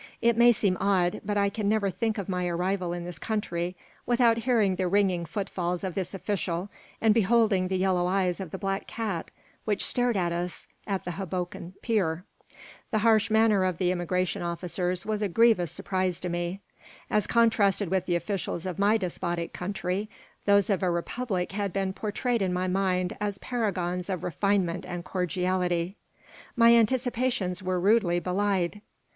It may seem odd, but I can never think of my arrival in this country without hearing the ringing footfalls of this official and beholding the yellow eyes of the black cat which stared at us at the Hoboken pier. The harsh manner of the immigration officers was a grievous surprise to me. As contrasted with the officials of my despotic country, those of a republic had been portrayed in my mind as paragons of refinement and cordiality. My anticipations were rudely belied.